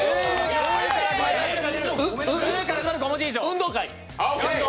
運動会。